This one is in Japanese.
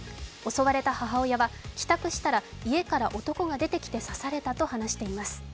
襲われた母親は帰宅したら家から男が出てきて刺されたと話しています。